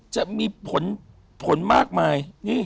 จะมีผลมากมาย